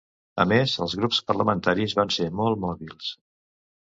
A més, els grups parlamentaris van ser molt mòbils.